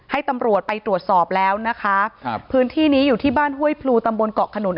ให้ตำรวจไปตรวจสอบแล้วนะคะครับพื้นที่นี้อยู่ที่บ้านห้วยพลูตำบลเกาะขนุน